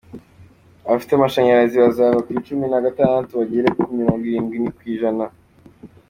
Abafite amashanyarazi bazava kuri cumi nagatandatu bagere kuri mirongo irindwi kwijana